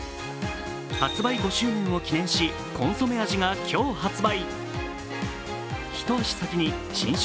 発売５周年を記念しコンソメ味が今日発売。